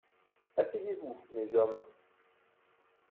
Asseyez-vous, mes hommes.